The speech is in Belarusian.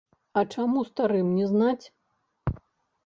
А чаму старым не знаць?